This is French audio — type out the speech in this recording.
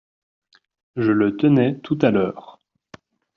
Je le tenais tout à l’heure.